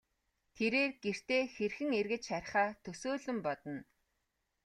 Тэрээр гэртээ хэрхэн эргэж харихаа төсөөлөн бодно.